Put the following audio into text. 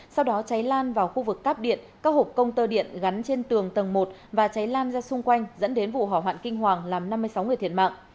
sau đó cháy lan vào khu vực cắp điện các hộp công tơ điện gắn trên tường tầng một và cháy lan ra xung quanh dẫn đến vụ hỏa hoạn kinh hoàng làm năm mươi sáu người thiệt mạng